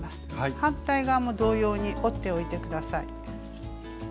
反対側も同様に折っておいて下さい。